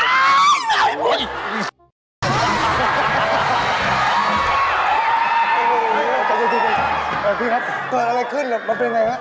พี่ครับเป็นอะไรขึ้นมันเป็นอย่างไรครับ